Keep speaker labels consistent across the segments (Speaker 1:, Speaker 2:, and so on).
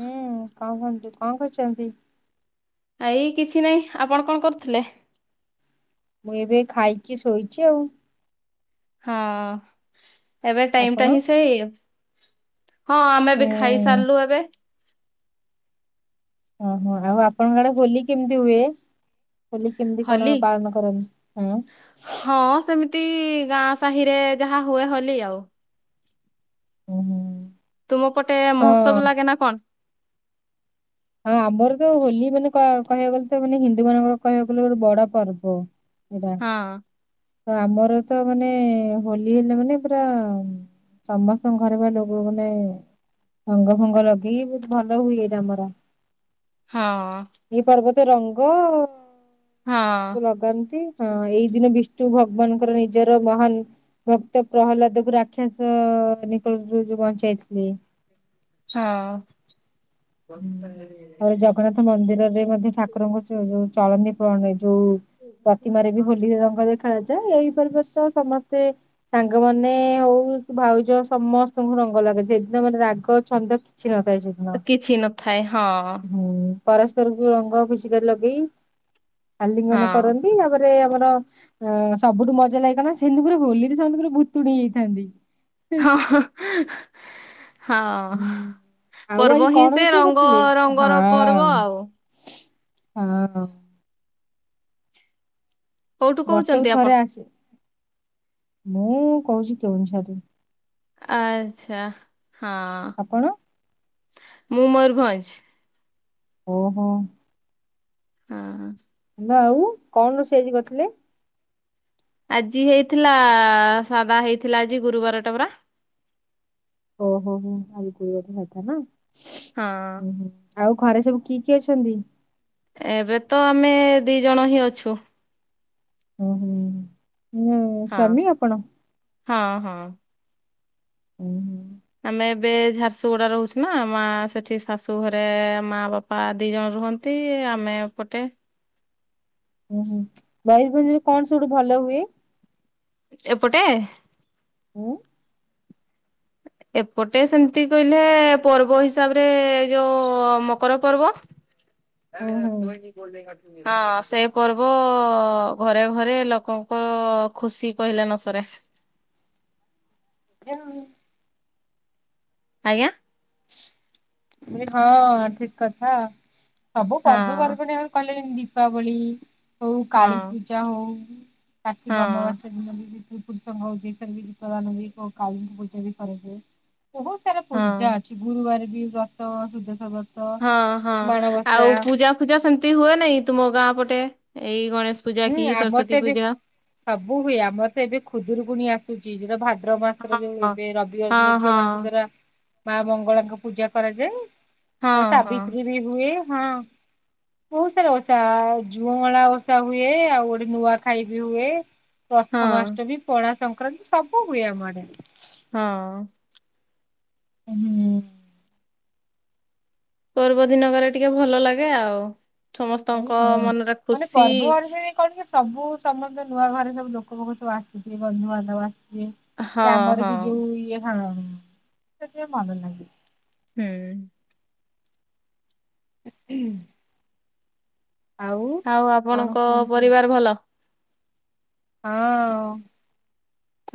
Speaker 1: ହୁଁ କଣ କୁହନ୍ତ କଣ କରଛନ୍ତି?
Speaker 2: ଏଇ କିଛି ନାଇଁ ଆପଣ କଣ କରୁଥିଲେ?
Speaker 1: ମୁଁ ଏବେ ଖାଇକି ଶୋଇଛି ଆଉ।
Speaker 2: ହଁ ଏବେ ଟାଇମ ଟା
Speaker 1: ଆପଣ?
Speaker 2: ହିଁ ସେଇ ହଁ ଆମେ ବି ଖାଇ
Speaker 1: ହୁଁ
Speaker 2: ସାରିଲୁ ଏବେ
Speaker 1: ଓହୋ ଆଉ ଆପଣଙ୍କ ଆଡେ ହୋଲି କେମିତି ହୁଏ? ହୋଲି କେମିତି କଣ
Speaker 2: ହୋଲି
Speaker 1: ପାଳନ କରନ୍ତି ହଁ
Speaker 2: ତୀଇ ଗାଁ ସାହିରେ ଯାହା ହୁଏ ହୋଲି ଆଉ।
Speaker 1: ଓୁ ହଁ।
Speaker 2: ତୁମ ପଟେ ମହୋତ୍ସବ ଲାଗେ ନା କଣ?
Speaker 1: ହଁ ଆମର ତ ହୋଲି ମାନେ କହିବାକୁ ଗଲେ ତ ମାନେ ହିନ୍ଦୁ ମାନଙ୍କର କହିବାକୁ ଗଲେ ଗୋଟେ ବଡ ପର୍ବ। ଏଇଟା
Speaker 2: ହଁ।
Speaker 1: ଆମର ତ ମାନେ ହୋଲି ହେଲେ ମାନେ ପୁରା ସମସ୍ତଙ୍କ ଘରେ ଲୋକକୁ ନେଇ ରଙ୍ଗ ଫଙ୍ଗ ଲଗେଇ ବହୁତ ଭଲ ହୁଏ ଆମର
Speaker 2: ହଁ।
Speaker 1: ସେ ରଙ୍ଗ
Speaker 2: ହଁ
Speaker 1: ଲଗାନ୍ତି ହଁ ଏଇଦିନ ବିଷ୍ଣୁ ଭଗବାନଙ୍କର ନିଜର ମହାନ ଭକ୍ତ ପ୍ରହ୍ଲାଦକୁ ରାକ୍ଷାସ ନିକଟରୁ ଯୋଉ ବଞ୍ଚାଇଥିଲେ
Speaker 2: ହଁ।
Speaker 1: ତାପରେ ଜଗନ୍ନାଥ ମନ୍ଦିରରେ ମଧ୍ୟ ଠାକୁରଙ୍କ ଯୋଉ ଯୋଉ ଚଳନୀ ପଳଣ ଯୋଉ ପ୍ରତିମାରେ ବି ହୋଲି ରଙ୍ଗ ଦେଖାଯାଏ ଏଇ ପରିବର୍ଷ ସମସ୍ତେ ସାଙ୍ଗମାନେ ହଉ ଭାଉଜ ସମସ୍ତଙ୍କୁ ରଙ୍ଗ ଲାଗୁ ସେଦିନ ମାନେ ରାଗ ଛନ୍ଦ କିଛି ନ ଥାଏ ସେ ଦିନ
Speaker 2: ଥାଏ ହଁ।
Speaker 1: ପରସ୍ପରକୁ ରଙ୍ଗ ଖୁସିକା ଲଗେଇ ଆଲିଙ୍ଗନ
Speaker 2: ହଁ
Speaker 1: କରନ୍ତି ତାପରେ ମର ଅ ସବୁଠୁ ମଜା ଲାଗେ ନା ସେମତି ପୁରା ହୋଲିରେ ସମସ୍ତେ ପୁରା ଭୁତୁଣି ହେଇଥାନ୍ତି।
Speaker 2: ହଁ ହଁ
Speaker 1: ହୁଁ ଆଉ ଆଜି
Speaker 2: ପର୍ବ ହିଁ
Speaker 1: କଣ
Speaker 2: ସେ
Speaker 1: ରୋଷେଇ
Speaker 2: ରଙ୍ଗ
Speaker 1: କରିଥିଲେ?
Speaker 2: ରଙ୍ଗ
Speaker 1: ହଁ
Speaker 2: ରଙ୍ଗର ପର୍ବ ଆଉ
Speaker 1: ହଁ।
Speaker 2: କୋଉଠୁ
Speaker 1: ବର୍ସକୁ
Speaker 2: କହୁଛନ୍ତି ଆପଣ?
Speaker 1: ଥରେ ଆସେ ମୁଁ କହୁଛି କେଉଁଝର ରୁ
Speaker 2: ଆଚ୍ଛା ହଁ।
Speaker 1: ଆପଣ
Speaker 2: ମୁଁ ମମୂରଭଞ୍ଜ।
Speaker 1: ଓ ହୋ।
Speaker 2: ହଁ।
Speaker 1: ନା ଆଉ କଣ ରୋଷେଇ ଆଜି କରିଥିଲେ?
Speaker 2: ଆଜି ହେଇଥିଲା ସାଧା ହେଇଥିଲା ଆଜି ଗୁରୁବାର ଟା ପରା
Speaker 1: ଓହୋ ହୋଁ ଆଜି ଗୁରୁ ବାର ସାଧା ନା
Speaker 2: ହଁ।
Speaker 1: ହୁଁ ହୁଁ ଆଉ ଘରେ ସବୁ କି କି ଅଛନ୍ତି?
Speaker 2: ଏବେ ତ ଆମେ ଦି ଜଣ ହିଁ ଅଛୁ।
Speaker 1: ଓ ହୁଁ
Speaker 2: ହଁ।
Speaker 1: ସ୍ବାମୀ ଆପଣ?
Speaker 2: ହଁ ହଁ।
Speaker 1: ଓୁ।
Speaker 2: ଆମେ ଏବେ ଝାରସୁଗୁଡା ରହୁଛୁ ନା ମା ସେଠି ଶାଶୁ ଘରେ ମା ବାପା ଦି ଜଣ ରୁହନ୍ତି। ଆମେ ଏ ପଟେ
Speaker 1: ଓୁ ହୁଁ ମୟୂରଭଞ୍ଜରେ କଣ ସବୁଠୁ ଭଲ ହୁଏ?
Speaker 2: ଏପଟେ?
Speaker 1: ହୁଁ।
Speaker 2: ଏପଟେ ସେମିତି କହିଲେ ପର୍ବ ହିସାବରେ ଏ ଯୋଉ ମକର ପର୍ବ [unintelligible] ଆବେ
Speaker 1: ହୁଁ
Speaker 2: ତଇଁ ବୋଲ ହଁ ସେ ପର୍ବ ଘରେ ଘରେ ଲୋକଙ୍କ ଖୁସି କହିଲେ ନସରେ [inaudible]
Speaker 1: ଖାଇଲୁଣୀ? [unintelligible]
Speaker 2: ଆଜ୍ଞା।
Speaker 1: ହଁ ଠିକ୍ କଥା। ସବୁ
Speaker 2: ହଁ
Speaker 1: ପର୍ବ ପର୍ବାଣୀ ଆଉ କଲେ ଯେମିତି ଦୀପାବଳି ହୋଉ କାଳୀ
Speaker 2: ହଁ।
Speaker 1: ପୂଜା ହୋଉ କାର୍ତ୍ତିକ
Speaker 2: ହଁ
Speaker 1: ଅମବାସ୍ୟା ଦିନ ବି ଯିବି। [unintelligible] ପୁରୁଷଙ୍ଗ ଦେଶର ବି ଗୀତଗାନ ବି କାଳୀଙ୍କ ପୂଜା ବି କରନ୍ତି ବହୁତ ସାରା
Speaker 2: ହଁ
Speaker 1: ପୂଜା ଅଛି। ଗୁରୁବାରେ ବି ବ୍ରତ ସୁଦଶ୍ରା ବ୍ରତ
Speaker 2: ହଁ ହଁ ଆଉ
Speaker 1: ମାଣବସା
Speaker 2: ପୂଜା ଫୂଜା ସେମତି ହୁଏ ନାଇଁ ତୁମ ଗାଁ ପଟେ ଏଇ ଗଣେଶ ପୂଜା
Speaker 1: ହୁଁ
Speaker 2: କି
Speaker 1: ଆମର
Speaker 2: ସରସ୍ଵତୀ
Speaker 1: ତ ଏବେ
Speaker 2: ପୂଜା
Speaker 1: ସବୁ ହୁଏ ଆମର ତ ଏବେ ଖୁଦୁରୁକୁୁଣି ଆସୁଚି ଯୋଉଟା ଭା ଭଦ୍ର ମାସରେ
Speaker 2: ହଁ
Speaker 1: ଯୋଉ ହୁଏ ଏବେ ରବିବାରେ
Speaker 2: ହଁ
Speaker 1: ଦିନ
Speaker 2: ହଁ
Speaker 1: ଝିଅ ମାନଙ୍କ ଦ୍ଵାରା ମା ମଙ୍ଗଳାଙ୍କ ପୂଜା କରାଯାଏ।
Speaker 2: ହଁ
Speaker 1: ଆଉ
Speaker 2: ହଁ
Speaker 1: ସାବିତ୍ରୀ ବି ହୁଏ। ହଁ ବହୁତ ସାରା ଓଷା ଝୁଅମଳା ଓଷା ହୁ ହୁଏ ଆଉ ଗୋଟେ ନୂଆଁ ଖାଇ ବି ହୁଏ
Speaker 2: ହଁ ହଁ
Speaker 1: ପ୍ରଥମାଷ୍ଟମୀ ପଣା ସଂ କ୍ରାନ୍ତି ସବୁ ହୁଏ ଆମ ଆଡେ।
Speaker 2: ହଁ।
Speaker 1: ହୁଁ।
Speaker 2: ପର୍ବ ଦିନ କରେ ଟିକେ ଭଲ ଲାଗେ ଆଉ। ସମସ୍ତଙ୍କ
Speaker 1: ଆଲେ ହଁ
Speaker 2: ମନରେ
Speaker 1: ମାନେ
Speaker 2: ଖୁସି
Speaker 1: ପର୍ବପର୍ବାୀ କଣ ସବୁ ସମସ୍ତେ ନୂଆ ଘରେ ସବୁ ଲୋକ ଫୋକ ସବୁ ଆସନ୍ତି ବନ୍ଧୁବାନ୍ଧବ ଆସି ବେ
Speaker 2: ହଁ
Speaker 1: ସେ ଆମର
Speaker 2: ହଁ
Speaker 1: ବି ଯୋଉ ଇଏ ହଁ ସେଥିପାଇଁ ଭଲ ଲାଗେ।
Speaker 2: ହୁଁ। ଆଉ
Speaker 1: କଣ
Speaker 2: ଆପଣଙ୍କ
Speaker 1: କୁହନ୍ତୁ
Speaker 2: ପରିବାର ଭଲ?
Speaker 1: ହଁ।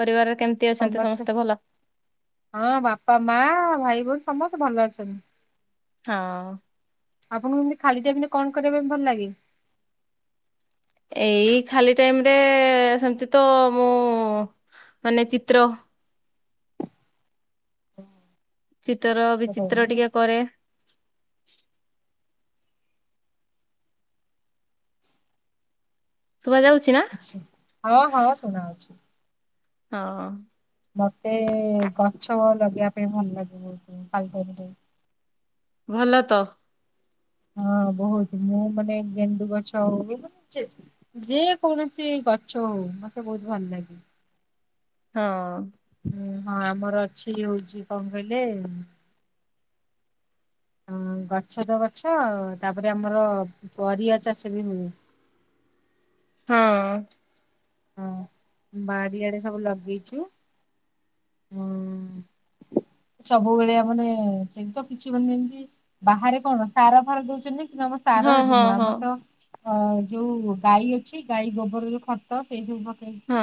Speaker 2: ପରିବାର ରେ
Speaker 1: ସମନ୍ତେ ହଁ ବାପା ମା ଭାଇ ବୋଉ ସମସ୍ତେ ଭଲ ଅଛନ୍ତି।
Speaker 2: ହଁ।
Speaker 1: ଆପଣଙ୍କୁ ଏମିତି ଖାଲି ଟାଇମ୍ ରେ କଣ କରିବା ପାଇଁ ଭଲ ଲାଗେ।
Speaker 2: ଏଇ ଖାଲି ଟାଇମ ରେ ସେମତି ତ ମୁଁ ମାନେ ଚିତ୍ର। ଚିତ୍ର ବିଚିତ୍ର
Speaker 1: ତ
Speaker 2: ଟିକେ କରେ। ଶୁଭା ଯାଉଛି ନା
Speaker 1: ହଁ ହଁ ଶୁଣା ଯାଉଛି।
Speaker 2: ଅ
Speaker 1: ମତେ ଗଛ ଲଗେଇବା ପାଇଁ ଭଲ ଲାଗେ ବହୁତ ଖାଲି ଟାଇମ୍ ରେ।
Speaker 2: ଭଲ ତ
Speaker 1: ହ ବହୁତ ମୁଁ ମାନେ ଗେଣ୍ଡୁ ଗଛ ହଉ ମାନେ ଯେ କୌଣସି ଗଛ ହଉ। ମତେ ବହୁତ ଭଲ ଲାଗେ।
Speaker 2: ହଁ
Speaker 1: ହୁଁ ହଁ ଆମର ଅଛି ଇଏ ହେଉଛି। କଣ କହିଲେ ହଁ ଗଛ ତ ଗଛ ତାପରେ ଆମର ପରିବା ଚାଷ ବି ହୁଏ।
Speaker 2: ହଁ।
Speaker 1: ହଁ ବାଡିଆଡେ ସବୁ ଲଗେଇଛୁ। ଉଁ, ସବୁବେଳେ ଆ ମାନେ [unintelligible] ବାହାରେ କଣ ସାର ଫାର ଦଉଛନ୍ତି। ନମସ୍ ସାର
Speaker 2: ହଁ
Speaker 1: ହେଠି
Speaker 2: ହଁ
Speaker 1: ନୁଆ
Speaker 2: ହଁ
Speaker 1: ଆମର ତ ଅ ଯୋଉ ଗାଈ ଅଛି ଗାଈ ଗୋବର ଯୋଉ ଖତ ସେଇ ସବୁ ପକେଇକି
Speaker 2: ହଁ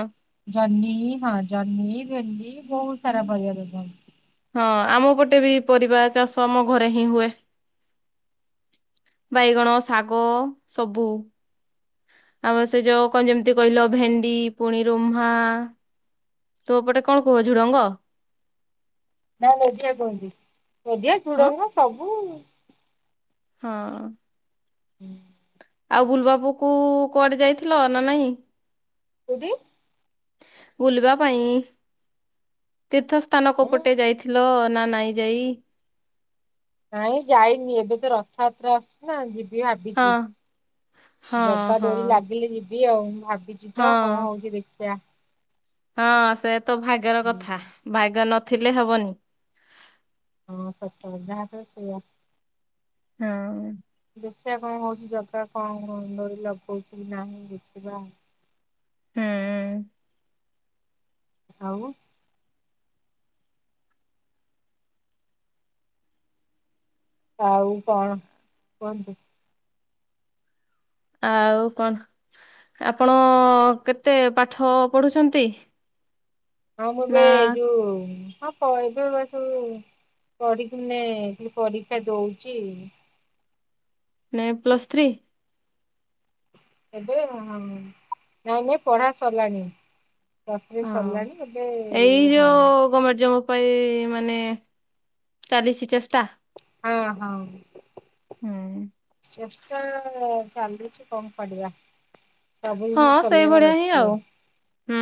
Speaker 1: ଜହ୍ନି ହଁ ଜହ୍ନି ଭେଣ୍ଡି ବହୁତ ସାରା ପରିବା ଲଗା ହେଇଚି।
Speaker 2: ହଁ ଆମ ପଟେ ବି ପରିବା ଚାଷ ଆମ ଘରେ ହିଁ ହୁଏ। ବାଇଗଣ ଶାଗ ସବୁ। ଆମ ସେ ଯୋଉ କଣ ଯେମିତି କହିଲ ଭେଣ୍ଡି ପୁଣି ରୁହ୍ମା। ତୋପଟେ କଣ କୁହ ଝୁଡ଼ଙ୍ଗ।
Speaker 1: ନା ନୋଧିଆ କୁହନ୍ତି ନଧିଆ
Speaker 2: ହଁ
Speaker 1: ଝୁଡଙ୍ଗ ସବୁ।
Speaker 2: ହଁ।
Speaker 1: ହୁଁ
Speaker 2: ଆଉ ବୁଲିବାବୁ କୁ କୁଆଡ଼େ ଯାଇଥିଲ ନା ନାଇଁ।
Speaker 1: କୋଉଠି।
Speaker 2: ବୁଲିବା ପାଇଁ ତୀର୍ଥ ସ୍ଥାନ
Speaker 1: ମୁଁ
Speaker 2: କୋପଟେ ଯାଇଥିଲ ନା ନାଇଁ ଯାଇ।
Speaker 1: ନାଇଁ ଯାଇନି ଏବେ ତ ରଥଯାତ୍ରା ଆସୁଚି ନା ଯି ଯିବି
Speaker 2: ହଁ
Speaker 1: ଭାବିଛି
Speaker 2: ହଁ
Speaker 1: ଜଗା
Speaker 2: ହଁ
Speaker 1: ଡୋରି ଲାଗିଲେ ଯି ଯିବି ଆଉ ମୁଁ ଭାବିଚି ତ କଅ
Speaker 2: ହଁ
Speaker 1: ହଉଚି ଦେଖିବା
Speaker 2: ହଁ ସେ ତ ଭାଗ୍ୟର କଥା ଭାଗ୍ୟ ନଥିଲେ ହବନି।
Speaker 1: ହଁ ସତ ଯାହା କହିଲୁ ସେଇଆ।
Speaker 2: ହଁ।
Speaker 1: ଦେଖିବା କଣ ହଉଚି ଜଗା କଣ ଡୋରି ଲଗଉଚିକି ନାହିଁ ଦେଖିବା।
Speaker 2: ହୁଁ।
Speaker 1: ଆଉ। ଆଉ କଣ କୁହନ୍ତୁ।
Speaker 2: ଆଉ କଣ ଆପଣ କେତେ ପାଠ ପଢୁଛନ୍ତି।
Speaker 1: ହଁ ମୁଁ
Speaker 2: ନା
Speaker 1: ଏବେ ଯୋଉ ହଁ ପ ଏବେ ବା ସବୁ ପଢ଼ି କିନେ ଖାଲିପରୀକ୍ଷା ଦଉଚି।
Speaker 2: ନାଇଁ ପ୍ଲସ୍ ଥ୍ରୀ।
Speaker 1: ଏବେ ହଁ ହଁ ନାଇଁ ନାଇଁ ପଢା ସରିଲାଣୀ।
Speaker 2: ହଁ ଏଇ
Speaker 1: ହଁ
Speaker 2: ଯୋଉ ଗମେଣ୍ଟ ଜବ୍ ପାଇଁ ମାନେ ଚାଲିଚି ଚେଷ୍ଟା।
Speaker 1: ହଁ ହଁ
Speaker 2: ହୁଁ।
Speaker 1: ଚେଷ୍ଟା ଚାଲିଚି କଣ କରିବା ସବୁଦିନ
Speaker 2: ହଁ ସେଇଭଳିଆ
Speaker 1: ଚଲେଇବାର
Speaker 2: ହିଁ ଆଉ
Speaker 1: ଅଛି।
Speaker 2: ହୁଁ।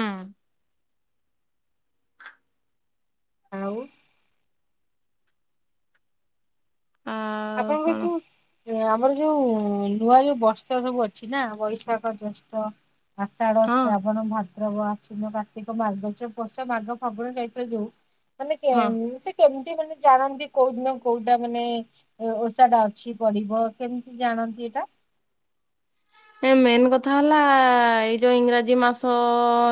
Speaker 1: ଆଉ।
Speaker 2: ଆଉ
Speaker 1: ଆପଣଙ୍କର
Speaker 2: କଣ
Speaker 1: ଯୋଉ ଆମର ଯୋଉ ନୂଆ ଯୋଉ ବର୍ଷ ସବୁ ଅଛି ନା ବୈଶାଖ ଜେଷ୍ଠ ଆଷାଢ଼
Speaker 2: ହଁ
Speaker 1: ଶ୍ରାବଣ ଭା ଭାଦ୍ରାବ ଆଶ୍ୱିନ, କାର୍ତ୍ତିକ, ମାର୍ଗଶୀର, ପୌଷ, ମାଘ, ଫଗୁଣ, ଚୈତ୍ର ଯୋଉ ମାନେ
Speaker 2: ହଁ।
Speaker 1: କେମ୍ କେମିତି ମାନେ ଜାଣନ୍ତି କୋଉଦିନ କୋଉଟା ମାନେ ଓ ଓଷା ଟା ଅଛି ପଡ଼ିବ କେମିତି ଜାଣନ୍ତି ଏଇଟା।
Speaker 2: ଏ ମେନ୍ କଥା ହେଲା ଆ, ଆ, ଏଇ ଯୋଉ ଇଂରାଜୀ ମାସ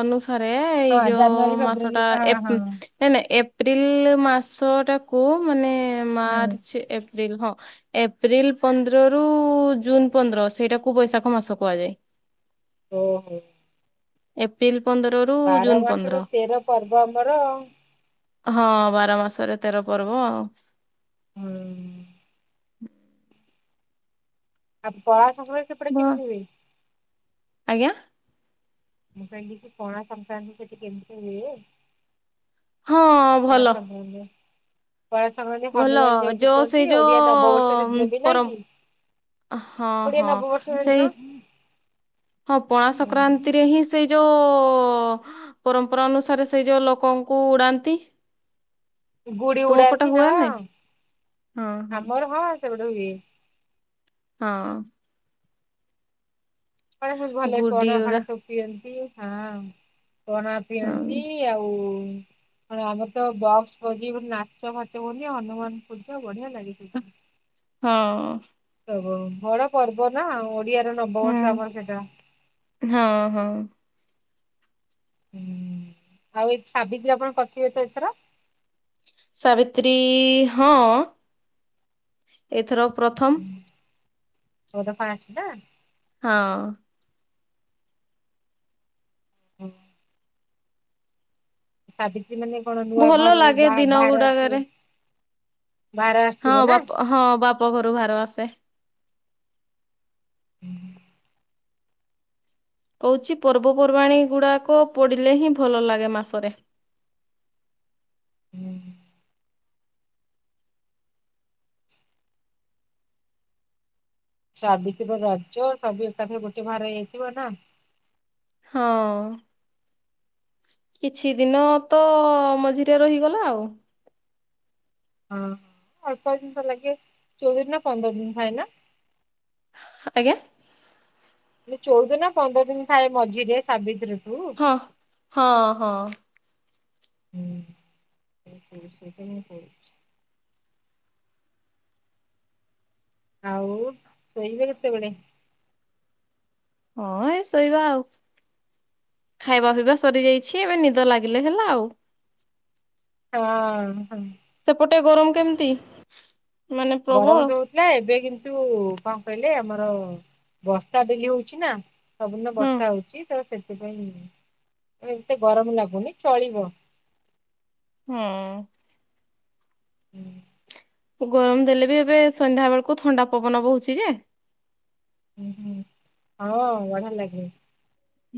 Speaker 2: ଅନୁ ସାରେ ଏଇ
Speaker 1: ହଁ
Speaker 2: ଯୋଉ
Speaker 1: ଜାନୁଆରୀ ଫେବୃଆରୀ
Speaker 2: ମାସଟା ନାଇଁ
Speaker 1: ହଁ
Speaker 2: ଏପ୍
Speaker 1: ହଁ
Speaker 2: ନାଇଁ ନାଇଁ ଏପ୍ ଏପ୍ରିଲ୍ ମାସ ଟା କୁ ମାନେ
Speaker 1: ହୁଁ
Speaker 2: ମାର୍ଚ୍ଚ ଏପ୍ରିଲ୍ ହଁ ଏପ୍ରିଲ୍ ପନ୍ଦର ରୁ ଜୁନ୍ ପନ୍ଦର ସେଇଟାକୁ ବୈଶାଖ ମାସ କୁହାଯାଏ।
Speaker 1: ଓହୋ।
Speaker 2: ଏପ୍ରିଲ୍
Speaker 1: ବାର ମାସରେ ତେର ପର୍ବ ଆମର।
Speaker 2: ହଁ ବାର ମାସରେ ତେର ପର୍ବ ଆଉ।
Speaker 1: ହୁଁ।
Speaker 2: [inaudible]
Speaker 1: ଆ ପଳାସଂକ୍ରାନ୍ତି ସେପଟେ
Speaker 2: ଭ
Speaker 1: କେମିତି ହୁଏ?
Speaker 2: ଆଜ୍ଞା।
Speaker 1: ମୁଁ କହିଲିକି ପଣା ସଂକ୍ରାନ୍ତି ସେଠି କେମିତି ହୁଏ?
Speaker 2: ହଁ ଭଲ।
Speaker 1: କଣ [unintelligible]
Speaker 2: ଭଲ ଯୋଉ
Speaker 1: କୁହନ୍ତି
Speaker 2: ସେଇ
Speaker 1: ଓଡିଆ ନବବର୍ଷ
Speaker 2: ଯୋଉଁ
Speaker 1: ସେଦିନ ବି ନା
Speaker 2: ପର
Speaker 1: କି?
Speaker 2: ହଁ
Speaker 1: ଓଡିଆ
Speaker 2: ହଁ
Speaker 1: ନବବର୍ଷ
Speaker 2: ସେଇ
Speaker 1: ସେଦିନ
Speaker 2: ହଁ ପଣା
Speaker 1: ହୁଁ
Speaker 2: ସଂକ୍ରାନ୍ତିରେ ହିଁ ସେଇ ଯୋଉ ପରମ୍ପରା ଅନୁସାରେ ସେଇ ଯୋଉ ଲୋକଙ୍କୁ ଉଡାନ୍ତି
Speaker 1: ଗୁଡି
Speaker 2: ତୁମ ପଟେ
Speaker 1: ଉଡାନ୍ତି ହଁ
Speaker 2: ହୁଏ ନାଇଁ?
Speaker 1: ଆମର ହଁ ସେଗୁଡା ହୁଏ।
Speaker 2: ହଁ।
Speaker 1: ଆଣ ସବୁ ଭଲ
Speaker 2: ଗୁଡି
Speaker 1: ପଣା ଫଣା
Speaker 2: ଉଡା
Speaker 1: ସବୁ ପିଅନ୍ତି ହଁ। ପଣା
Speaker 2: ହଁ।
Speaker 1: ପିଅନ୍ତି ଆଉ ଆମେ ତ ବକ୍ସ ବଜିବ ନାଚ ଫାଚ ବୁନି ହନୁମାନ ପୂଜା ବଢିଆ ଲାଗିଚୁ।
Speaker 2: ହଁ।
Speaker 1: ହବ ବଡ ପର୍ବ ନା। ଓଡିଆର ନବବର୍ଷ
Speaker 2: ହୁଁ।
Speaker 1: ଆମର କେତେଟା
Speaker 2: ହଁ ହଁ
Speaker 1: ହୁଁ ଆଉ ଏ ସାବିତ୍ରୀ ଆପଣ କରିଥିବେ ତ ଏଥର?
Speaker 2: ସାବିତ୍ରୀ ହଁ। ଏଥର ପ୍ରଥମ୍।
Speaker 1: ଓ ଦୋ ପାଞ୍ଚ ଟା।
Speaker 2: ହଁ।
Speaker 1: ହୁଁ। ସାବିତ୍ରୀ ମାନେ କଣ ନୂଆ
Speaker 2: ଭଲ
Speaker 1: ଘର
Speaker 2: ଲାଗେ
Speaker 1: ଯା
Speaker 2: ଦିନ
Speaker 1: ଭାର
Speaker 2: ଗୁଡାକରେ
Speaker 1: ଆସିବ?
Speaker 2: ହଁ ବାପ ହଁ ବାପ ଘରୁ ଭାର ଆସେ।
Speaker 1: ହୁଁ।
Speaker 2: କହୁଚି ପର୍ବପର୍ବାଣୀ ଗୁଡ଼ାକ ପଡିଲେ ହିଁ ଭଲ ଲାଗେ ମାସରେ।
Speaker 1: ହୁଁ! ସାବିତ୍ରୀ ରଜ ସବୁ ଏକାଠେ ଗୋଟେ ବାହାର ହେଇଯାଇଥିବ ନା
Speaker 2: ହଁ! କିଛି ଦିନ ତ ମଝିରେ ରହିଗଲା ଆଉ।
Speaker 1: ହଁ ଅଳ୍ପ ଦିନ ତ ଲାଗେ ଚଉଦିନ ନା ପନ୍ଦର ଦିନ ଥାଏ ନା?
Speaker 2: ଆଜ୍ଞା!
Speaker 1: ଚଉଦିନ ନା ପନ୍ଦର ଦିନ ଥାଏ ମଝିରେ ସାବିତ୍ରୀ
Speaker 2: ହଁ ହଁ ହଁ।
Speaker 1: ହୁଁ ପ ସେ ତ ମୁଁ ପଛି [unintelligible] ଆଉ ଶୋଇବେ କେତେବେଳେ?
Speaker 2: ହଁ ଏଇ ଶୋଇବା ଆଉ। ଖାଇବା ପିଇବା ସରିଯାଇଛି। ଏବେ ନିଦ ଲାଗିଲେ ହେଲା ଆଉ।
Speaker 1: ହଁ ହଁ।
Speaker 2: ସେପଟେ ଗରମ କେମିତି? ମାନେ
Speaker 1: ଗରମ
Speaker 2: ପ୍ରବଳ?
Speaker 1: ଦ ହଉଥିଲା ଏବେ କିନ୍ତୁ କଣ କହିଲ ଆମର ବର୍ଷା ଡେଲି ହଉଛି ନା ସବୁଦିନ
Speaker 2: ହୁଁ
Speaker 1: ବର୍ଷା ହଉଛି ତ ସେ ସେଥିପାଇଁ ଏତେ ଗରମ ଲାଗୁନି ଚଳିବ।
Speaker 2: ହୁଁ।
Speaker 1: ହୁଁ
Speaker 2: ଗରମ ଦେଲେ ବି ଏବେ ସନ୍ଧ୍ୟା ବେଳକୁ ଥଣ୍ଡା ପବନ ବୋହୁଛି ଯେ
Speaker 1: ହ ହୁଁ ହଁ ବଢିଆ ଲାଗେ।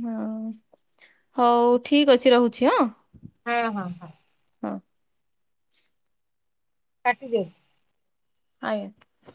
Speaker 2: ହଁ ହଉ ଠିକ ଅଛି ରହୁଛି ହଁ।
Speaker 1: ହଁ ହଁ ହଁ।
Speaker 2: ହଁ।
Speaker 1: କାଟି ଦେ
Speaker 2: ଆଜ୍ଞ